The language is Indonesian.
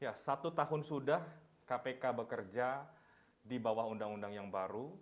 ya satu tahun sudah kpk bekerja di bawah undang undang yang baru